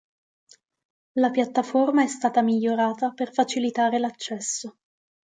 La piattaforma è stata migliorata per facilitare l'accesso.